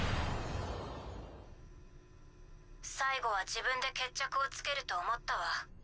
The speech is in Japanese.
最後は自分で決着をつけると思ったわ。